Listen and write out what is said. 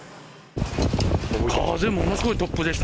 風、ものすごい突風でした。